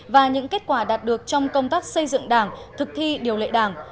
và những kết quả đạt được trong công tác xây dựng đảng thực thi điều lệ đảng